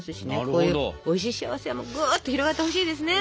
こういうおいしい幸せはぐっと広がってほしいですね。